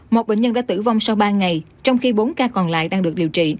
một bệnh nhân đã tử vong sau ba ngày trong khi bốn ca còn lại đang được điều trị